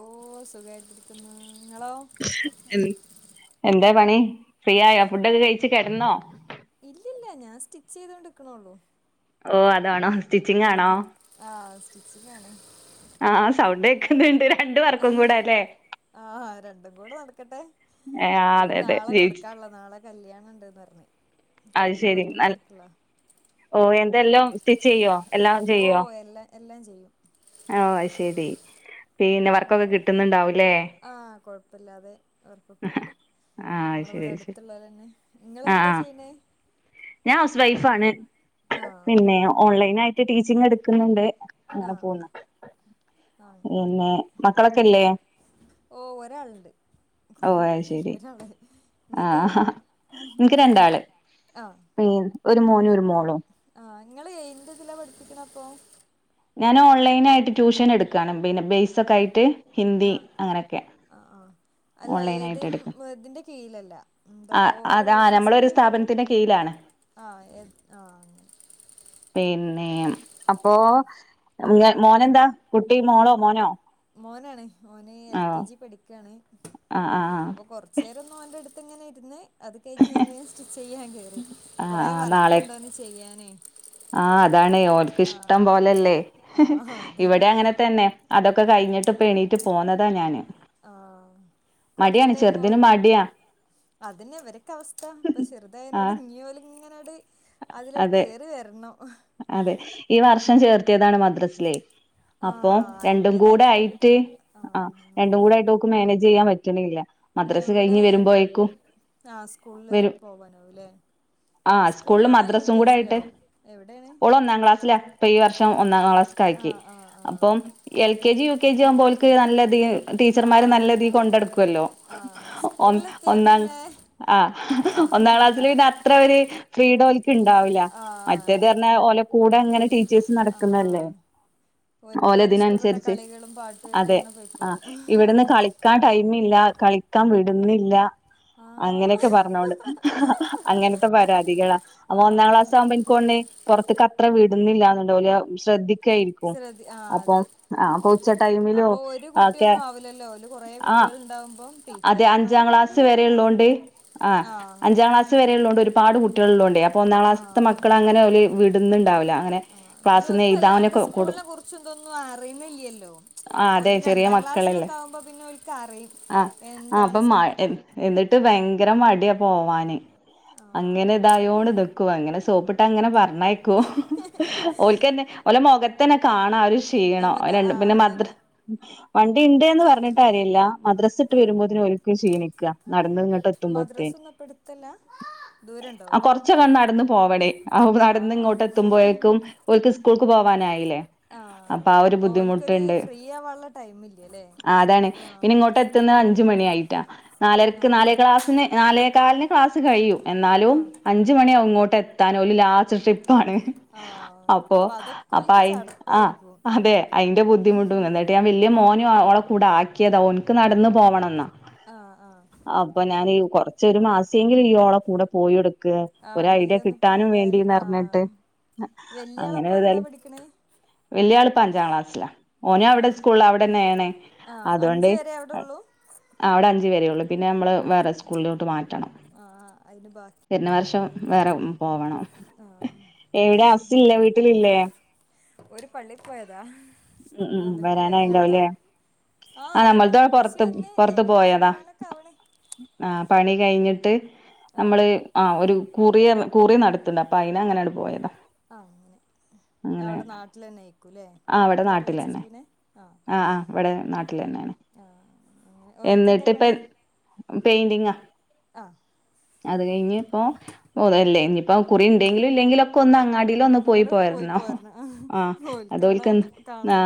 ഓ സുഖായിട്ടരിക്കുന്ന എന്താ പണി ഫ്രീ ആയ ഫുഡൊക്കെ കഴിിച്ചു കിടന്നോ ഇല്ലല്ല ഞാൻ സ്റ്റിച്ച് ചെയ്തൊണ്ട് ഇക്കണള്ളൂ ഓ അതാണോ സ്റ്റിച്ചിങ് ആഹ ആണോ ആഹ സ്റ്റിച്ച് കാണ ആഹ സൗണ്ട് കേക്കുന്നുണ്ട് രണ്ട വർക്കും കൂട അല്ലേ ആഹ രണ്ടും കൂടെ നടക്കട്ടെ ഏഹ് ആഹ് ഇത് അതെ അതെ നാളെ ജയിച്ച് കൊടുക്കാുള്ളോ നാളെ കല്യാണ ഉണ്ടന്ന് പറഞ്ഞഞ് അത് കല്യാണ ശെരി പാർട്ടിൊക്കെ നൽ ആയിരിക്കല്ലോ ഓ എന്തെല്ലാം സ്റ്റിച്ച് ചെയ്യോ എല്ലാം ഓ ചെയ്യോ എല്ലാം എല്ലാം ചെയ്യും ആഹ ശെരി പിന്നെ വർക്കൊക്കെ കിട്ടുന്നുണ്ടാവൂല്ലേ അപ്പല്ലാതെ അവർക്കൊക്കെണ്ട് ആഹ് അത് ഞമ്മള് ശെരി ഇവിടെ അത് ശെരി അട്ത്ത്ള്ളോലേന്നെ ആഹ് നിങ്ങളെന്താ ആഹ് ചെയ്യുന്നേ ഞാൻ ഹൗസ് വൈഫാണ് ആഹ് പിന്നെ ഓൺലൈനായിട്ട് ടീച്ചിങ് എട്ക്ക്ന്നുണ്ട് അങ്ങനെ ആഹ് പോവുന്നു ആഹ് അങ്ങനെ പിന്നെ മക്കളൊക്കെല്ലേ. ഓ ഒരാള്ണ്ട് അത് കൊറെന്നുല്ല ശെരി ഒരാൾ ഇങ്ങക്കോ പീൻ ഒര് മോന് ഒരു മോളോ ആ നിങ്ങള് എയിന്റെതിലാ പഠിപ്പിക്കണപ്പോ ഞാൻ ഓൺലൈനായിട്ട് ട്യൂഷൻ എട്ക്കാണ് പിന്നെ ബേസോക്കെ ആയിട്ട് ഹിന്ദി ആ അങ്ങനെയൊക്കെ ആ ആ അല്ല ഏതേ ഓൺലൈനായിട്ട് എടുക്കും ഇതിന്റെ കീഴിലല്ല എന്താ ആ പറയാ ഓരോ അതാ ഓഫീസിന്റെ നമ്മളൊരു കീഴിലല്ല സ്ഥാപനത്തിന്റെ കീഴിലാണ് ആ ആ പിന്നെ അപ്പോ ആ മോനെന്താ കുട്ടി മോളോ മോനോ മോനാണ് മോന് എൽ ആ കെ ജി പഠിക്കാണ് ആ ആ അപ്പൊ കൊറച്ചേരൊന്നോന്റെട് ഇട്ട് ഇങ്ങനെര്ന്ന് അത് കഴിഞ്ഞ് ഞാൻ വേ സ്റ്റിച്ച് ചെയ്യാൻ കേറി ആ കുറെ ആ നാളെ വർക്ക്ണ്ടോന്ന് ചെയ്യാനേ ആ അതാണ് ഓന്ക്ക് ആഹ് ഇഷ്ടം പോലല്ലേ ആഹ് അതെ ഇവിടെ അങ്ങനെ തന്നെ അതൊക്കെ കഴിഞ്ഞിട്ട്പ്പോ എണീറ്റ് പോന്ന [unintelligible] ഞാന് ആ മടിയാണ്‌ ചെറുതിന് മട്യാ അതന്നെ ഇവരൊക്കെ അവസ്ഥ ഇപ്പൊ ആ ചെറുതായനോട് ഇനിയൊല്ങ്ങനെ [unintelligible] അതിലാണ്ട് അതെ കേറി വരണം അതെ ഈ വർഷം ചേർത്തിയതാണ് മദ്രസിലെ അപ്പൊ ആഹ് രണ്ടും കൂടെ അയിന്റേതായിട്ടുള്ള ആയിട്ട് ബുദ്ധിമുട്ട് ആ ആഹ് രണ്ടും കൂടെ ആയിട്ട് ഓക്ക് മാനേജ് ചെയ്യാൻ പറ്റ ട്ട്ണ്‌ല്ലാ എവിടെ ആ സ്കൂളില് വരും പോവാനാവുല്ലേ ആ സ്കൂളിലും സ്കൂളിലാണോ യു മദ്രസും കെ കൂടെ ജി ആയിട്ട് ലോ എവിടെ ഓള് ഒന്നാം ക്ലാസ്സിലാ ഇപ്പൊ ഈ വർഷം ഒന്നാം ക്ലാസ്ക്കാക്കി ആഹ് ആഹ് ആഹ് അപ്പം L K G U U K ജിയാവുമ്പോ ഓല്ക്ക് നല്ലത് ടീച്ചർമാര് ആഹ് നല്ലതീ കൊണ്ട്ട്ക്കല്ലോ ആഹ് ഒന്ന് സ്കൂളിലെത്തിയാ ഒന്നാ പിന്നെ ആ ആഹ് ഒന്നാം ക്ലാസ്സില് പിന്നെ അത്ര ഒര് ഫ്രീഡോല്ക്ക് ഇണ്ടാവുല്ല ആഹ് മറ്റേ ഇതു അതന്നെ പറഞ്ഞാൽ ഓല് കൂടെ അങ്ങനെ ടീച്ചേഴ്സ് ആഹ് നടക്കുന്നല്ലേ. ആഹ് ഓര്ക്ക് ഓരെ ഇഷ്ടപ്പെട്ട ഓലെതിനനുസരിച്ച് കളികളും പാട്ടുമായിട്ട് അതെ അങ്ങനെ ആ പോയിക്കോളും ഇവിട്ന്ന് കളിക്കാൻ ടൈമില്ല കളിക്കാൻ വിട്ന്നില്ല ആ അങ്ങനെയൊക്കെ പറഞ്ഞോണ്ട് അങ്ങനത്തെ പരാതികളാ അപ്പോ ഒന്നാം ആഹ് ക്ലാസാവുമ്പോ എനിക്കൊന്ന്ണ് പോറത്ത്ക്ക് അത്ര വിട്ന്നില്ലാന്നോന്ന്ണ്ട് ഓല് ശ്രദ്ധി [unintelligible] ശ്രദ്ധി ആഹ് അപ്പം അതെ അപ്പ ഉച്ചടൈമിലും അപ്പൊ ഒരു ഒക്കെ കുട്ടിയൊന്നും ആവില്ലല്ലോ ഓല് കൊറേ ആ കുട്ടികൾ ഉണ്ടാവുമ്പം അതെ ടീച്ചർമാര് അഞ്ചാം പറഞ്ഞിട്ട് ക്ലാസ് കാര്യല്ല വരെള്ളോണ്ട് ആ ആഹ് അഞ്ചാം ക്ലാസ് വരെള്ളോണ്ട് ഒരുപാട് കു ട്ട്യാള്ള്ളോണ്ടോ അപ്പൊ ഒന്നാം ക്ലാസ്ത്തെ മക്കളെങ്ങനെ ഓല് വിട്ന്ന്ണ്ടാവുല്ല ആ പിന്നെ ഓര്ക്ക് വല്ലാണ്ട് സ്കൂളിനെ കുറച്ച്തൊന്നും അറിണില്ലല്ലോ ആ അതെ ഒര് ചെറിയ രണ്ടാം മക്കളല്ലേ ക്ലാസ്സിലൊക്കെവുമ്പോ പിന്നെ ഒല്ക്കറിം ആ ആ എന്താണ് അപ്പം മ സ്കൂ എന്നിട്ട് ഭയങ്കര മടിയ പോവാന് അങ്ങനെ ആഹ് ഇതായോണ്ട് നിക്കും അങ്ങനെ സോപ്പിട്ട് അങ്ങനെ പറ [unintelligible] ഓല്ക്കന്നെ ഓലെ മുഖത്തന്നെ കാണാ ഒരു ചെയ്യണം ഞമ്മക്ക് രണ്ട് ആഹ് പിന്നെ മദ്ര അതന്നെ വണ്ടി ഉണ്ട് എന്ന് പറഞ്ഞിട്ട് കാര്യല്ല, മദ്രസ ഇട്ട് ആ വരുമ്പത്തേന്. ക്ഷീണിക്ക നടന്ന് ഇങ്ങോട്ട് എത്തുമ്പോത്തേ മദ്രാസൊന്നും അപ്പ എടുത്തല്ല ദൂരണ്ടോ ആ കൊറച്ചൊക്കെ നടന്ന്പോവണേ ആവു ആ നട ട്ന്ന് ഇങ്ങോട്ടെത്തുമ്പോഴേക്കും ഓല്ക്ക് സ്കൂക്ക് പോവാനായ് ആ അതെ ഓല്ക്കൊരു ഫ്രീ ആവാള്ള ടൈമില്ലല്ലേ സ് ആ മദ്രസ് വി ന്നാ അഞ്ചു മണിയായിട്ടാ നാലര്ക്ക് നാലേ ക്ലാസ്ന് നാലേക്കാല്ന് ക്ലാ കഴിയും ആ എന്നാലും അഞ്ച്മണി ആവും ഇങ്ങോട്ട് എത്താൻ ഓല് ലാ ആ അപ്പൊ അതൊക്കെ അപ്പൊ ഓൽക്ക് ആഹ് ആഹ് ചടപ്പായിരിക്കും അതെ അയിന്റെ ബുദ്ധിമുട്ടും എന്നിട്ട് ഞാൻ വലിയ മോ ഒന്ഓളെ കൂടെ ആക്കിയതാ. ഓനിക്ക് നടന്ന് പോവണംന്നാ. ആ ആ അപ്പൊ ഞാന് കൊറ ച്ച് ഒരു മാസെങ്കിലും ഇയ്യ് ഓളെ കൂടെ പോയൊടുക്ക് ആ ഒരു വണ്ടിൽ ഐഡിയ ഒന്ന് കിട്ടാനും പോയതായാല് ആ വേണ്ടിന്നർ ഞ്ട്ട് വല്യ അങ്ങനെ ആളപ്പ എന്താ ഏത്‌യാലും പഠിക്കണേ വലിയ ആളിപ്പ അഞ്ചാം ക്ലാസ്സിലാ ഓന് ആ അവിടെ സ്കൂളിലാ അവിടന്നേണ് ആ അഞ്ച് വരേ അവിടൊള്ളൂ ആ അവിടെ അഞ്ച് വരേ ഉള്ളൂ പിന്നെ നമ്മള് വേറെ സ്കൂളിലോട്ട് മാറ്റണം ആ ആ അതിന് ബാക്കി പിന്ന വർഷം ഉണ്ടാവൂലല്ലേ വേറെ പോവണം ആ എവിടെ ഹസില്ലേ വീട്ടിലില്ലേ? ഓര് പള്ളീ പോയതാ ഉം ഉം വന്നിട്ടില്ല ഇങ്ങളതോ വരാനായിണ്ടാവുലേ ആ ആഹ് വരാൻ നമ്മൾതു ഉപ്പച്ചി പൊറത്ത് വന്ന് പൊറത്ത് ഏകദേശം പോയതാ വരാനൊക്കെ ആവണ് ആഹ് പണി കഴിഞ്ഞ് ട്ട് ആഹ് നമ്മള് ആഹ് ഒര് കുറി അർ കുറി നടത്തണ്ട് അപ്പയ്നങ്ങനാണ്ട് പോയതാ ആ അങ്ങനെ അങ്ങനെ അവ്ടെ നാട്ടിലെന്നേക്കു ആ ഇവടെ നാട്ടിലന്നെ. ആ ആ ഇവടെ നാട്ടിലെന്നേണ് ആഹ് അങ്ങനെ ഓര്ക്കെന്താ എന്നിട്ട്പ്പ പണി പെയിൻ്റിംഗാ ആഹ് അതേ ഇഞിപ്പം [unintelligible] ഒരു കുറി ഉണ്ടെങ്കിലും ഇല്ലെങ്കിലും ഒക്കെ ഒന്ന് അടിയിൽ ഒന്നും പോയി പോരണം. ആ അത് ഓൽക്കവിടെ ഓൾക്ക് നിർ ആ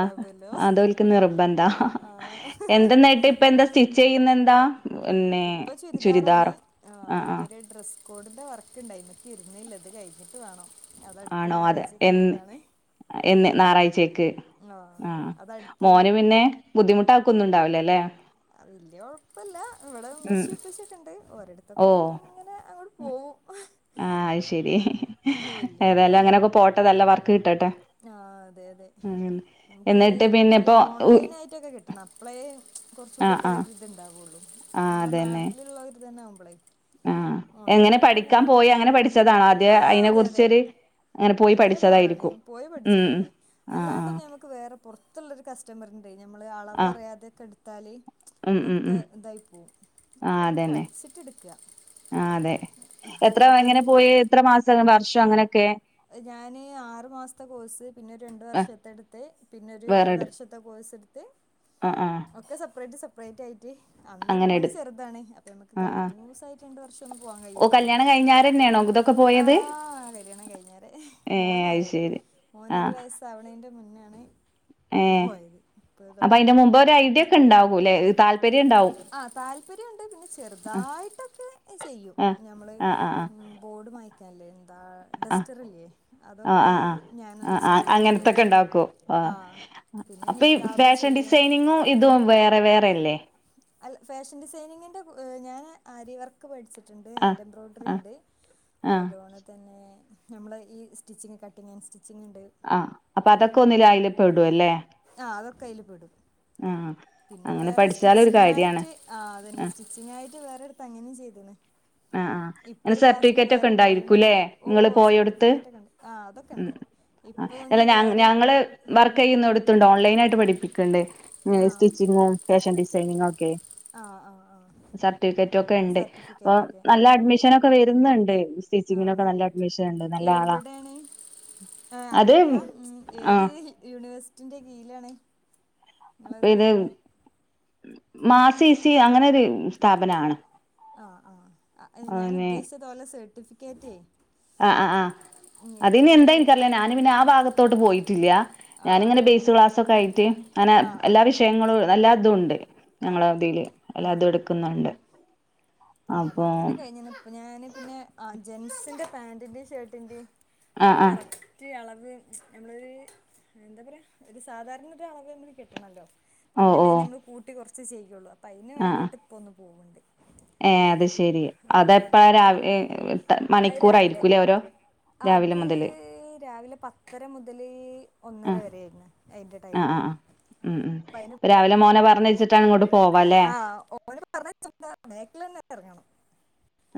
അത് ഓൾക്ക് നിർബ ബന്ധാ ആഹ ഹ ഹാ ഹ. ാ പ്പന്താ സ്റ്റിച്ച് ചെയ്യുന്നെന്താ പിന്നെ ഇപ്പൊ ചുരിദാറോ ആ ആഹ കൂടുതൽ വർക്കുണ്ടായിരുന്നു ഇപ്പൊ ഇരുന്നില്ല ഇത് കഴിഞ്ഞിട്ട് വേണം അതടുത്ത ആണോ അതെ, എൻ ഞായറാഴ്ചക്കുള്ളതാണ് എന്ന് ന്നാറാഴ്ചക്ക് ആ ആഹ അതടുത്തേന് മോന് പിന്നെ, ബുദ്ധിമുട്ടാക്കൊന്നുണ്ടാവില്ലല്ലേ? വല്ല്യ കൊഴപ്പമല്ല. ഇവിടെ ഉം ഇമ്മച്ചിം ഇപ്പച്ചിം ഒക്കെ ഇണ്ട് ഓരിടത്ത് ഓ അതൊക്കായിട്ട് ഇങ്ങനെ അങ്ങഡ് പോവും. ഹൊ ആഹ് അത് [inaudible] ഏതായാലും അങ്ങനെയൊക്കെ പോട്ടെ നല്ല വർക്ക് കിട്ടട്ടെ. ആ അതെ അതെ ഉം നമുക്ക് എന്നിട്ട് പിന്നെ ഇതില് ഇപ്പോ ഓൺലൈൻ ആയിട്ടൊക്കെ കിട്ടും അപ്പളേ ആഹ് കുറച്ചൂടിക്കെ ആഹ് ഒര് ഇത് ഉണ്ടാവുള്ളൂ. നമ്മടെ നാട്ടിലുള്ളോര് തന്നെ ആവുമ്പള് ആ എങ്ങനെ പഠിക്കാം പോയി അങ്ങനെ പഠിച്ചതാണോ? ആദ്യ ആഹ് അതിനെ അതെ അതെ കുറിച്ചൊരു അങ്ങനെ പോയി ഐഡിയ ഉള്ള ആളാണ്. പഠിച്ചതായിരിക്കും പോയി ഉം പഠിച്ചത് ഉം തന്നെ. ആഹ് ആഹ് അല്ലാണ്ടൊന്ന് ഞമ്മക്ക് വേറെ പുറത്തുള്ളൊരു കസ് ഞമ്മള് അളവ് ആഹ് അറിയാതൊക്കെ ട്ത്താല് അതൊക്കെ ഇതായി പോവും. ആ അപ്പ നമ്മൾ അതെന്നെ പഠിച്ചിട്ട് എടുക്കുക ആ അതെ എത്ര അപ്പൊ എങ്ങനെ ഇനി പോയി എത്ര മാസ വർഷം അങ്ങനെ ഞാന് ആറു മാസത്ത് കോഴ്സ്, പിന്നെ ഒരു ആഹ് രണ്ടുവർഷത്തെടുത്ത്, പിന്നൊരു ഒരു വേറെടു വർഷത്തെ കോഴ്സ് എടുത്ത്. ആഹ് ആഹ് ഒക്കെ സെപ്പറേറ്റ് സെപ്പറേറ്റായി റ്റേ അന്ന് അങ്ങനെ മോന് എടു ചെറുതാണ്. അപ്പൊ നമ്മുക്ക് ആഹ് ആഹ് കണ്ടിന്യൂസ് ആയിട്ട് രണ്ട് വർഷം ഒന്നും പോവാൻ കഴില്ലല്ലോ? മുതൊക്കെ പോയത്? ഏഹ് അത് മോനായരെ ശരി മോനൊരുവയസ് ആവണേൻ്റെ മുന്നാണ്. ഏ പോയത് ഇപ്പോൾ അപ്പൊ അയിന്റെ തുടങ്ങിയത് മുമ്പ് ഒരു ഐഡിയ ഒക്കെണ്ടാവൂല്ലേ? അ് ആ താല്പര്യമുണ്ട്. പിന്നെ ചെറുതായിട്ടൊക്കെ ചെയ്യും ആ ഞമ്മള് ആ ആ ആ ബോർഡ് മറ്റും ഐലൻന്താ ആ ഡസ്റ്ററില്ലേ ആ ആ അതൊക്കെ ആ ഞാനന്നെ ആ സ്കൂളിൽ അങ്ങനത്തൊക്കെ കൊണ്ടവകും ഉണ്ടാക്കോ ആ അപ്പൊ ഈ നിക്കാബ് ഫാഷൻ ചെയ്യും ഡിസൈനിങ്ങും ഇതും വേറെ വേറെല്ലേ അല്ല ഫാഷൻ ഡിസൈനിങ്ങിന്റെ കുഅ് ഞാൻ ആരിവർക്ക് പഠിച്ചിട്ട്ണ്ട് ണ്ട് എറെ ആ ഹാൻഡ് ആ എംബ്രോയിഡറിണ്ട് ആ അതോല തന്നെ നമ്മളെ ഈ സ്റ്റിച്ചിങ്ങ് കട്ടിങ്ങ് ആൻഡ് സ്റ്റിച്ചിങ്ങ്. ആ അപ്പൊ അതൊക്കെ ഒന്നില്ലായില് പെടൂലേ? ആ അതൊക്കെ അയില് പെടും ആ അങ്ങനെ പഠിച്ച് സ്റ്റിച്ചിങ്ങ് ആയിട്ട്, ആ അതന്നെ, സ്റ്റിച്ചിംങ്ങ് ആയിട്ട് വേറെടുത്ത് അങ്ങനേം ചെയ്തെന്നു ആഹ് ഇപ്പൊ ഒരു ക്ലാസ്സിന് വേറെ പോയോണ്ട്ക്കിട് ഓ നിങ്ങള് സർട്ടിഫിക്കറ്റ് ഒക്കെ ഒണ്ട് ആ അതൊക്കെ ഒണ്ട് ആല്ല ഞങ്ങള് വർക്ക് ചെയ്യുന്ന എടുത്തുണ്ട് ഓൺലൈൻ ആയിട്ട് പഠിപ്പ ടിക്കണ്ട് സ്റ്റിച്ചിങ്ങും ഫാഷൻ ഡിസൈനിങ്ങും ഒക്കെ ആഹ് ആഹ് സർട്ടിഫിക്കറ്റും ഒക്കെ ആഹ് ഉണ്ട് അപ്പൊ സർട്ടിഫിക്കറ്റ് ഒക്കെ നല്ല അഡ്മിഷനൊക്കെ വരുന്നുണ്ട് ആ സ്റ്റിച്ചിങ്ങിനൊക്കെ നല്ല അഡ്മിഷൻ ഉണ്ട് നല്ല ആളാ ആഏ അത് അങ്ങനെയല്ല ഉ. ഏത് ആഹ് യൂണിവേഴ്സിറ്റിന്റെ കീയിലാണ് നിങ്ങളത് വരുന്നേ മാസിസി അങ്ങനൊരു സ്ഥാപനിണ് ആ ആ ഞാൻ ഉദ്ദേശിച്ചതുപോലെ സർട്ടിഫിക്കറ്റേ ആ ആ ആ ഉം, അത് നി ഏത് എന്താ യൂണി എനിക്കറീല്ല ഞാന് പിന്നെ ആ ഭാഗത്തോട്ട് പോയിട്ടില്ല ആ ഞാനിങ്ങനെ ബേസ് അങ്ങനെ ക്ലാസൊക്കെ ആയിട്ട് അങ്ങനെ ആ ആ എല്ലാ വിഷയങ്ങളും നല്ലാ അതും ഉണ്ട് ആ ഞങ്ങള അങ്ങനെ അവധിയില് എല്ലാതും എടുക്കുന്നുണ്ട് പ്പൊ അപ്പൊ അങ്ങനെ കഴിഞ്ഞ ഇപ്പൊ ഞാന് പിന്നെ ആ ജെന്സിന്റെ പാന്റിന്റേം ഷർട്ടിന്റെയും ആഹ് ഒരു ആഹ് കറക്റ്റ് അളവ് നമ്മളൊരു എന്താ പറയാ ഒരു സാധാരണ ഒരു അളവ് നക്ക് കിട്ടണല്ലോ ഓ ഓ പിന്നെല്ല ഇ നമ്മൾ കൂട്ടി കുറച്ച് ചെയ്യുള്ളൂ അപ്പൊ അതിന് ആഹ് ആഹ് വേണ്ടീട്ട് ഇപ്പൊ ഒന്ന് പോന്നുണ്ട് ഏ അത് ശെരി അതെപ്പ രാവി അത് രാവിലെ മണിക്കൂറായിരിക്കൂലേ ഓരോ രാവിലെ അത് മുതല് രാവിലെ പത്തര മുതൽ ആ ഒന്നര വരെ ആയിരുന്നു അതിന്റെ ആ ആ ടൈമുള്ള ഉം ഉം അപ്പൊ രാവിലെ മോനെ പറഞ്ഞ് വെച്ചിട്ടാണ് ആഹ് ഓന് പറഞ്ഞ ചന്ത മുക്കിലവന്ന് ഇറങ്ങണം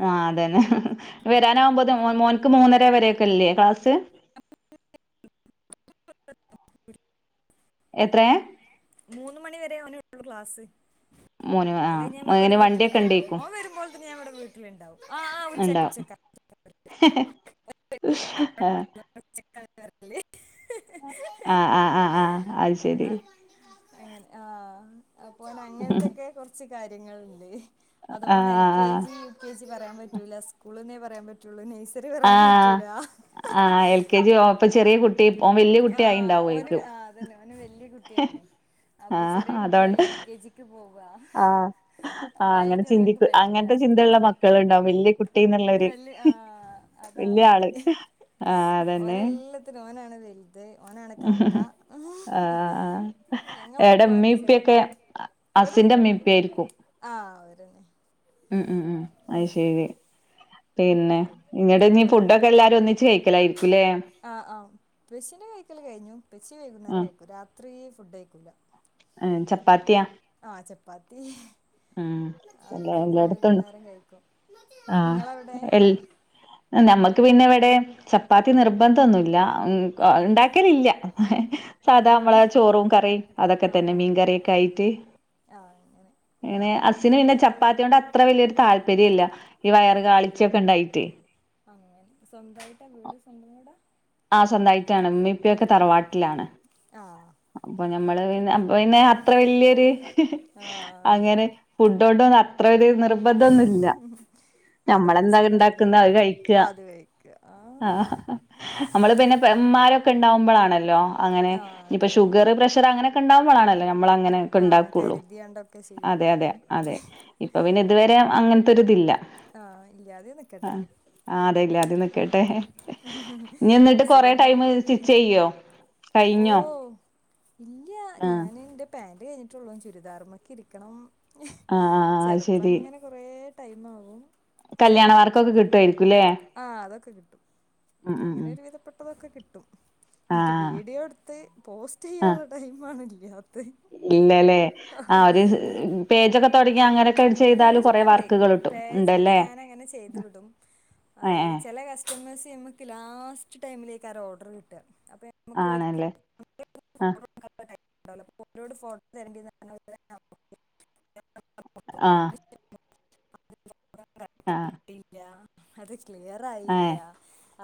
ആ് അതന്നെ വരാനാകുമ്പോതേക് മോന്ക്ക് മൂന്നര വരൊക്കെല്ലേ ക്ലാസ് എത്രയാ മൂന്ന് മണി വരെ അവനുള്ളു ക്ലാസ് മോന് ആഹ് അങ്ങനെ വണ്ടിയൊക്കെ ഉണ്ടേക്കും ഇന്ന് ഞാൻ ഇവിടെ വീട്ടില്ണ്ടാവും എണ്ടാ [unintelligible] ആ് ആഹ് ആഹ് ആഹ് അത് ശരി ആ, അങ്ങനെ ആ അപ്പോ അങ്ങനത്തൊക്കെ കുറച്ച് കാര്യങ്ങള്ണ്ട് അത ആ പോണ എൽ ആ K G U K G പറയാൻ പറ്റൂല സ്കൂളന്നേ പറയാൻ പറ്റുള്ളൂ ന ആ ആ എൽ കെ ജി ഓ അപ്പൊ ചെറിയ കുട്ടി ഓൻ വല്യ കുട്ടി ആഹ് ഓന് ആയിണ്ടാവുമായിരിക്കും ആ അതന്നെ ഓന് വല്യ കുട്ടിയായിന് അപ്പൊ ചെറിയ കുട്ടികളല്ലേ എൽ കെ ജിക്ക് പോകും ആ ആ അങ്ങനെ ചിന്തി എനിക്ക് പറ്റൂല അങ്ങനത്തെ ചിന്തയുള്ള മക്കൾ ഉണ്ടാവും വലിയ കുട്ടിന്നുള്ളര് ല് ആ അതാണ് ഓന് ആഹ് അതന്നെ ഓനെല്ലാത്തിനും ഓനാണ് അ ഓനാണ് കാക്ക ആഹ് ആഹ് ഞങ്ങളൊക്കോ എന്റെ ചെറുതാ ഇവിടെണ്ട് അസിന്റെ മീപ്പ ഇവിടെണ്ട് ആയിരിക്കും ആഹ് അവരന്നെ ഉം ഉം ഉം അത് ശരി പിന്നെ ഇങ്ങട്നി ഓര് ഇവിടെ ഫുഡൊക്കെ ഇരിക്കണ്ട് എല്ലാരും ഒന്നിച്ച് കയിക്കലായിരിക്കൂലേ ഡ് കഴിഞ്ഞു പെച്ചി വൈകുന്നേരം കഴിക്കും രാത്രി ഫുഡ് കഴിക്കൂല ഏ ചപ്പാത്തിയാ ആഹ് ചപ്പാത്തി ഉം എല്ലാ അപ്പത് എല്ലായിടത്തും വൈകുന്നേരം കഴിക്കും ആഹ് നിങ്ങളവിടെ എൽ നമ്മക്ക് പിന്നെ ഇവിടെ ചപ്പാത്തി നിർബന്ധൊന്നുല്ല ആഹ് ഉണ്ടാക്കലില്ല സാധാ അങ്ങനെ അമ്മള ചോറും കറീം അതൊക്കെ ആഹ് തന്നെ ആഹ് ആഹ് മീൻകറിയൊക്കെ അയിട്ട് ആഹ് അങ്ങനെ ഇങ്ങനെ അസിന് പിന്നെ ഞാനങ്ങനെയാണ് അല്ല ചപ്പാത്തിയ കൊണ്ട് അത്ര വലിയൊരു താല്പര്യം ഇല്ല ഈ വയറ് ആഹ് കാളിച്ചൊക്കെ ഇണ്ടായിട്ട് [inaudible] ആ സ്വന്തമായിട്ടാണ് മ്മേപ്പക്കെ തറവാട്ടിലാണ് ആഹ് അപ്പൊ നമ്മള് പി പിന്നെ അത്ര വല്യൊരു ആഹ് അതെ അങ്ങനെ ഫുഡ അത്ര ഒരു നിർബന്ധന്നുംല്ല അതുകൊണ്ട് നമ്മളെന്താ സുഖാണല്ലോ ഇണ്ടാക്കുന്നത് അത് കഴിക്കുക അത് കഴിക്കുക ആ ആഹ് നമ്മള് പിന്നെ അമാരൊക്കെ ഉണ്ടാവുമ്പൊളാണല്ലോ അനെ ആഹ് ഇപ്പൊ അതെ അതെ ഷുഗർ പ്രഷർ അങ്ങനൊക്കെ ഉണ്ടാവുമ്പൊളാണല്ലോ ആഹ് മ്മളങ്ങനെക്കെണ്ടാക്കുള്ളൂ കരുതിയാണ്ടൊക്കെ ചെയ്യാ അതെ അതെ അതെ ഇപ്പന്നെ ഇതുവരെ അങ്ങനത്തെൊരിതില്ല ആഹ ഇല്ലാതെ നിക്കട്ടെ ആഹ് അതെ ഇല്ലാതെ നിക്കട്ടെ ആഹ അസുഖ ടൈമ് സ്റ്റ്ച്ച് ചെയ്യോ ഓ കഴിഞ്ഞോ ഇല്ല ആഹ് ഞിൻ ൻറെ പൻ കഴിഞ്ഞിട്ടുള്ളൂ ചുരിദാർമ്മക്കെ ഇരിക്കണം ആഹ് ആഹ് അത് ചെലപ്പോ അങ്ങനെ കുറ ടൈമാവും കല്യാണമാർക്കൊക്കെ കിട്ടുമായിായിരിക്കുംല്ലേ ആ അതൊക്കെ കിട്ടും ഉം അങ്ങനെ ഉം ഒരു വിധപ്പെട്ടതൊക്കെ കിട്ടും എനിക്ക് ആഹ് വീഡിയോ എടുത്ത് പോസ്റ്റ് ആഹ് ചെയ്യാനുള്ള ടൈം ആണല്ല ഇല്ലല്ലേ ആ ഒരു പേജൊക്കെ തുടങ്ങി അങ്ങനെയൊക്കെ ചെയ്താലും കൊറെ പേജൊക്കെ ഉണ്ട് വർക്കുകൾ കിട്ടും പേജുണ്ട് ഉണ്ടല്ലേ ഞാന അങ്ങനെ ചെയ്തു വിടും അ ഏ ഏ ചില കസ്റ്റമേഴ്സ് നമക്ക് ലാസ്റ്റ് ടൈമിലേക്കെരോർഡർ കിട്ടുക അപ്പോൾ നമുക്ക് അവർക്ക് ആണല്ലേ ആഹ ഓർഡർ [unintelligible] ആഹ കറക്റ്റ് ആഹ കിട്ടിയില്ല അത് ക്ലിയർ ആയില്ല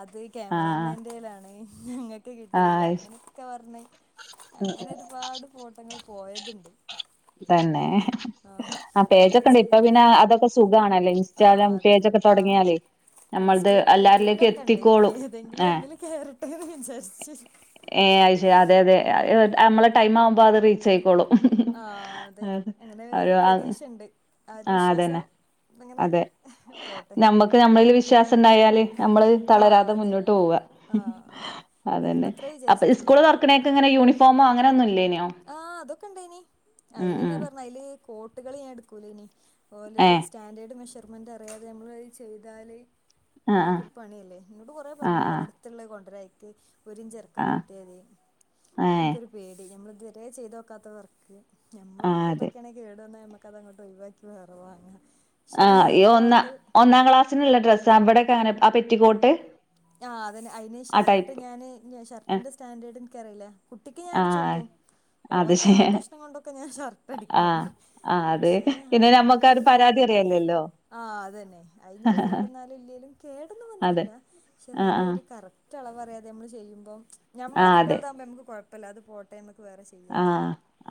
അത് ആ ക്യാമറാമാന്റെലാണ് ഒ ആ കിട്ടിയില്ല അങ്ങനെയൊക്കെ പറഞ്ഞ അങ്ങനെ ഒരുപാട് ഫോട്ടങ്ങൾ പോയതുണ്ട് തന്നെ ആ നമ്മൾ പേജൊക്കെ ഉണ്ട് ചെയ് ഇപ്പൊ പിന്നെ അതൊക്കെ സുഖണല്ലേ ആ ഇൻസ്റ്റാഗ്രാം അതന്നെ പേജൊക്കെ ആ തുടങ്ങിയാലേ നമ്മളത് ഇൻസ്റ്റയിലും എല്ലാരിലേക്കും യൂട്യൂബിലൊക്കെ ഉണ്ട് എത്തിക്കോളും ഏതെങ്കിലും ഒന്നില് കേയറട്ടെ എന്ന് വിചാരിച്ച ഏ അയ് ശരി അതെ അതെ ആ നമ്മളെ ടൈം ആവുമ്പോ അത് റീച്ച് ആയിക്കോളും ആ അതെ അങ്ങനെ ഒരു പ്രതീക്ഷുണ്ട് ആര് ആഹ് വിശ്വാസം അതന്നെ അങ്ങനെ അതെ പോട്ടെ നമ്മക്ക് നമ്മളില് വിശ്വാസം ണ്ടായാല് നമ്മള് ആഹ് തളരാതെ അതെ മുന്നോട്ട് പോവ ആഹ് അതന്നെ ഞാനത്രേ അപ്പ വിചാരിച്ചിട്ടുള്ളൂ സ്കൂള് തുറക്കണേക്ക ഇങ്ങന യൂണഫോമോങ്ങനെ ഒന്നുമില്ലേനു ആഹ അതൊക്കെ ഇണ്ട് ഇനി അതിലെന്നെ ഉം പറഞ്ഞ അതില് കോട്ടുകള് ഞാൻ എടുക്കൂലേ ഇനി ഓലൊരു ഏഹ് സ്റ്റാൻഡേർഡ് മെഷർമെന്റ് അറിയാതെ നമ്മള് ചെയ്താല് ആഹ് അതൊക്കെ ഒരു പണിയല്ലേ നിന്നോട് കൊറെേ പറഞ്ഞ ആഹ് ആഹ് ഒരിടുത്തുള്ള കൊണ്ടരായിക്ക് ഒരിഞ്ചിറക്കം ആഹ് കൂട്ടിയത ആഹ് അപ്പോൾ ഏഹ് എനിക്കൊരു പേടി നമ്മൾ ഇതുതിരെ ചെയ്തു വോക്കാത്ത വർക്ക് മ്മള് ആഹ് അതെ മക്കളക്കൊക്കെയ ആണങ്ക കേടു വന്നഞമ്മക്ക അതങ്ങോ ഡ്രൈവാക്കി വേറവാ ആഹ് ഒന്ന ഒന്നാം ക്ലാസ്സിനുള്ള ഡ്രസ്സ് അവിടെൊക്കെ അങ്ങനെ ആ പെറ്റിക്കോട്ട് ആഹ് അതെ അന് ആ ഷർട്ട് ടൈപ്പ് ഞാന്ൻ ആ ഷർട്ടിന്റെ സ്റ്റാൻഡേർഡ് എനിക്കറിയില്ല കുട്ടിക്ക് ഞാൻ അടിച്ചു ആഹ് കൊടുക്കും അത് ഓന് ശെ ഞാൻ വെട്ട ഇഷ്ണം കൊണ്ടൊക്കെ ഞാൻ ഷർട്ട് അടിക്കും ആ അതെ പക്ഷേ പിന്നെ നമ്മക്ക അയിന് ഒരു പരാതി അറിയല്ലല്ലോ ആഹ് അതന്നെ അയിനി ഇപ്പോ കേടന്നാലും ഇല്ലേലും കേടന്ന അതെ വന്നിട്ടില്ല പക്ഷെ ആഹ് എന്നാലും ആഹ് ഒരു കറക്ട് അളവറിയാതെ നമ്മള് ചെയ്യുമ്പം നമ്മെ കുട്ടികളുടൊകുമ്പോൾ നമുക്ക് കുഴപ്പമല്ല അത് പോട്ടന്ന് ആഹ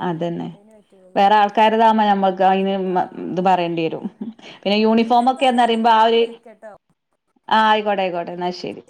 അതെന്നെ പറ്റൂലല്ലോ വേറെ ആൾക്കാാര്താമ നമ്മൾക്ക് അതിന് ആഹ് ഇത് അതെ പറയ അതെ ണ്ടിയരും ആഹ് പിന്നെ പിന്നെന്താ യൂണിഫോമക്കെ അന്നറിമ്പൊ ഞാനൊന്നങ്ങക്ക് ആഒര് വിളിക്കട്ടോ ആ ആ ആയിക്കോട്ടെ ആയിക്കോട്ടെ ശരി